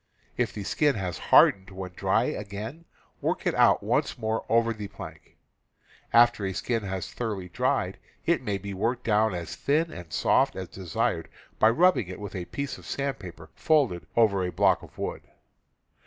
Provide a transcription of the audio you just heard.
If the skin has hardened when dry again, work it once more over the plank. After a skin has thoroughly dried it may be worked down as thin and soft as desired by rubbing with a piece of sandpaper folded over a block of wood.